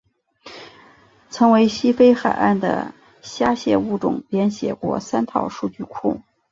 曾为西非海岸的虾蟹物种编写过三套数据库。